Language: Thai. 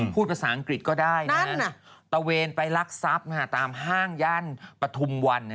พูดภาษาอังกฤษก็ได้นะตะเวนไปรักทรัพย์ตามห้างย่านปฐุมวัน